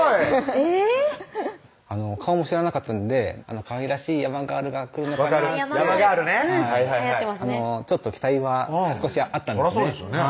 えぇっ顔も知らなかったんでかわいらしい山ガールが来るのかなって山ガールねはいはいはいちょっと期待は少しあったんですね